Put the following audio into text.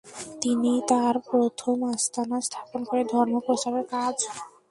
তিনি তার প্রথম আস্তানা স্থাপন করে ধর্ম প্রচারের কাজ অব্যাহত রাখেন।